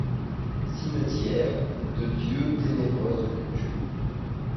Cimetières, de Dieu ténébreuses cultures.